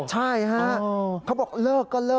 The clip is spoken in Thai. ใช่ฮะเขาบอกเลิกก็เลิก